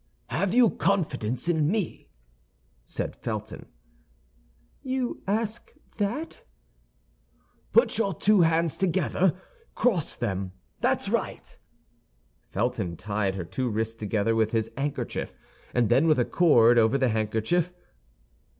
"Have you confidence in me?" said Felton. "You ask that?" "Put your two hands together. Cross them; that's right!" Felton tied her two wrists together with his handkerchief, and then with a cord over the handkerchief.